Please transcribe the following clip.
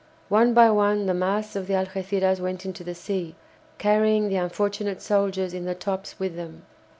One by one the masts of the "Algéciras" went into the sea, carrying the unfortunate soldiers in the tops with them.